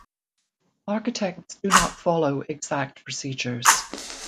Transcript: Architects do not follow exact procedures.